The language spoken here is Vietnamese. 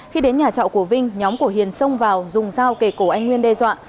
khi đến nhà trọ của vinh nhóm của hiền xông vào dùng dao kề cổ anh nguyên đe dọa